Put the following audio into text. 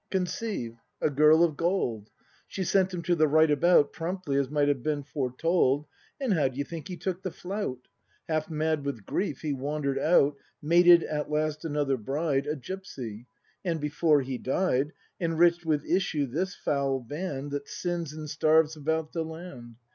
Conceive,— a girl of gold ! She sent him to the right about Promptly, as might have been foretold. And how d'ye think he took the flout ? Half mad with grief he wander'd out. Mated at last another bride, A gipsy,— and, before he died, Enrich'd with issue this foul band That sins and starves about the land.